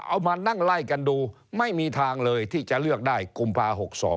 เอามานั่งไล่กันดูไม่มีทางเลยที่จะเลือกได้กุมภา๖๒